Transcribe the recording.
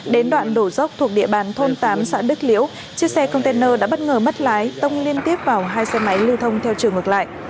đến đoạn đổ dốc thuộc địa bàn thôn tám xã đức liễu chiếc xe container đã bất ngờ mất lái tông liên tiếp vào hai xe máy lưu thông theo chiều ngược lại